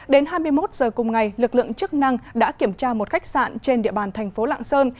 đến hai mươi một giờ cùng ngày lực lượng chức năng đã kiểm tra một khách sạn trên địa bàn thành phố lạng sơn